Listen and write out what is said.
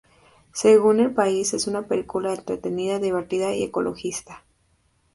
Según El País es una película entretenida, divertida y ecologista.